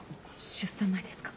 出産前ですが。